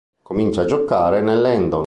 Comincia a giocare nell'Hendon.